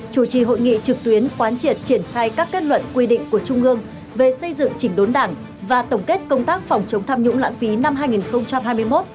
chủ trì hội nghị trực tuyến quán triệt triển khai các kết luận quy định của trung ương về xây dựng chỉnh đốn đảng và tổng kết công tác phòng chống tham nhũng lãng phí năm hai nghìn hai mươi một